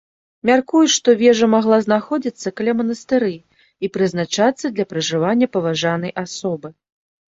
Мяркуюць, што вежа магла знаходзіцца каля манастыры і прызначацца для пражывання паважанай асобы.